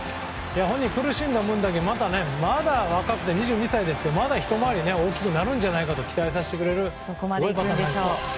本人、苦しんだ分だけまだ若くて２２歳ですけどまだひと回り大きくなるんじゃないかと期待させてくれるすごいバッターになりました。